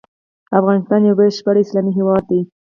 افغانستان يو بشپړ اسلامي هيواد دی.